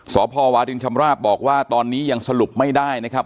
สพวชบบบอกว่าตอนนี้ยังสรุปไม่ได้นะครับ